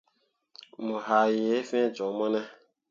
Mo haa yee fĩĩ joŋ mo ne ?